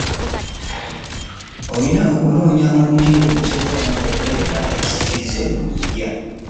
Olina okunoonya omutti ogusobola okuleeta ekisikirize mu lugya.